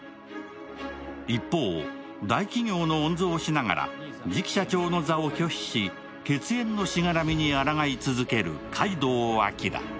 一方、大企業の御曹司ながら次期社長の座を拒否し、血縁のしがらみに抗い続ける階堂彬。